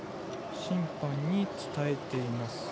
審判に何か伝えています。